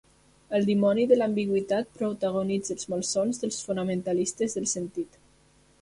El dimoni de l'ambigüitat protagonitza els malsons dels fonamentalistes del sentit.